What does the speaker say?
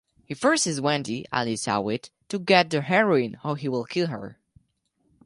He forces Wendy (Alicia Witt) to get the heroin or he will kill her.